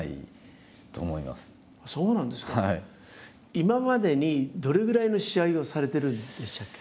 今までにどれぐらいの試合をされてるんでしたっけ？